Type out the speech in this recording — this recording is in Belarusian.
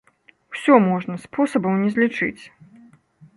Усё можна, спосабаў не злічыць.